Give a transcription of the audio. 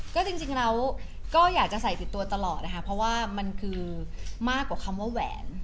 ก็จริงแล้วก็อยากจะใส่ติดตัวตลอดนะคะเพราะว่ามันคือมากกว่าคำว่าแหวน